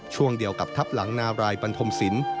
ช่วงเดียวกับทับหลังนาวรายบรรทมสิน